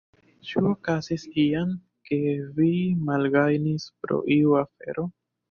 Ĉu okazis iam, ke vi malgajnis pro iu afero?